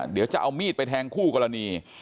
เดี๋ยวจะเอามีดไปแทงคู่กรณี